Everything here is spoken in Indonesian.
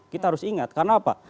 kita harus ingat karena apa